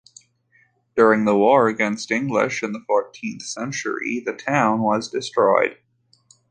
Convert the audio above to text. During the war against English in fourteenth century, the town was destroyed.